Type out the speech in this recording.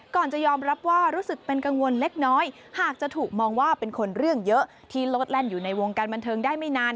ก่อนจะยอมรับว่ารู้สึกเป็นกังวลเล็กน้อยหากจะถูกมองว่าเป็นคนเรื่องเยอะที่โลดแล่นอยู่ในวงการบันเทิงได้ไม่นาน